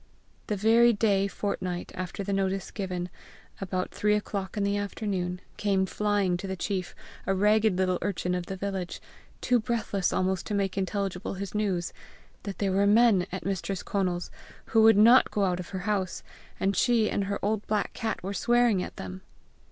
The very day fortnight after the notice given, about three o'clock in the afternoon, came flying to the chief a ragged little urchin of the village, too breathless almost to make intelligible his news that there were men at Mistress Conal's who would not go out of her house, and she and her old black cat were swearing at them.